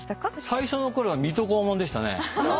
最初の頃は『水戸黄門』でしたね。